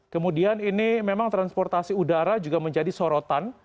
kemudian ini memang transportasi udara juga menjadi sorotan